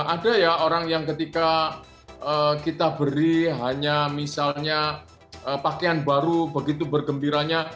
ada ya orang yang ketika kita beri hanya misalnya pakaian baru begitu bergembiranya